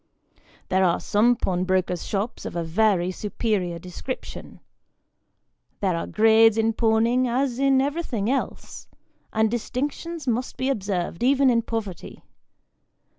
There are some pawnbrokers' shops of a very superior description. There are grades in pawning as in everything else, and distinctions must bo observed even in poverty.